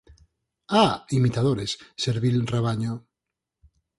Ah, imitadores, servil rabaño!